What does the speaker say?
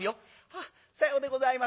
「あっさようでございますか。